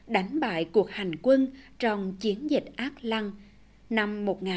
đánh bại cuộc hành quân trong chiến dịch ác lăng năm một nghìn chín trăm năm mươi ba một nghìn chín trăm năm mươi bốn